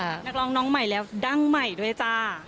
นักร้องน้องใหม่แล้วดั้งใหม่ด้วยจ้า